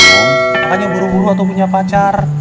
makanya buru buru atau punya pacar